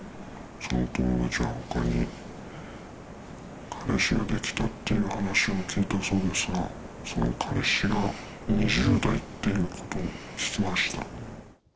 友達は彼氏ができたって話を聞いたそうですが、その彼氏が２０代っていうことを聞きました。